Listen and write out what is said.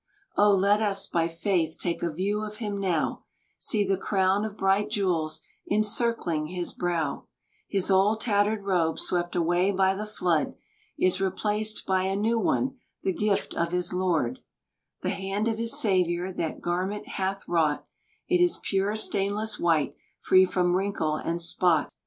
Oh! let us by faith take a view of him now, See the crown of bright jewels encircling his brow; His old tattered robe swept away by the flood, Is replaced by a new one, the gift of his Lord; The hand of his Saviour that garment hath wrought, It is pure stainless white, free from wrinkle and spot.